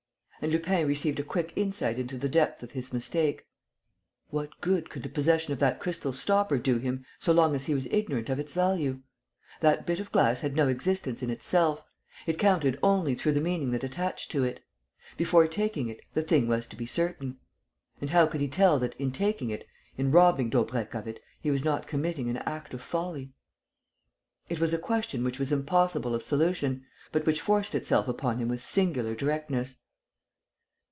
And Lupin received a quick insight into the depth of his mistake. What good could the possession of that crystal stopper do him so long as he was ignorant of its value? That bit of glass had no existence in itself; it counted only through the meaning that attached to it. Before taking it, the thing was to be certain. And how could he tell that, in taking it, in robbing Daubrecq of it, he was not committing an act of folly? It was a question which was impossible of solution, but which forced itself upon him with singular directness.